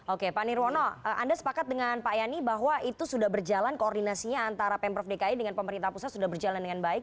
oke pak nirwono anda sepakat dengan pak yani bahwa itu sudah berjalan koordinasinya antara pemprov dki dengan pemerintah pusat sudah berjalan dengan baik